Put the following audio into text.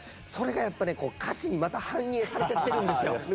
それがやっぱねこう歌詞にまた反映されてってるんですよ。